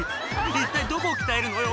一体どこを鍛えるのよ？」